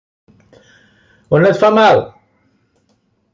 On et fa mal?